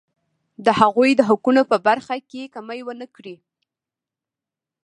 د هغوی د حقونو په برخه کې کمی ونه کړي.